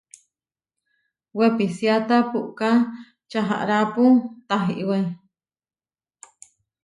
Wepisiáta puʼká čaharápu tahiwé.